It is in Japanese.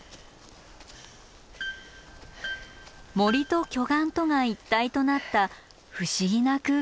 森と巨岩とが一体となった不思議な空間です。